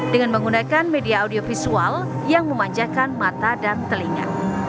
dengan menggunakan media audiovisual yang memanjakan mata dan telinga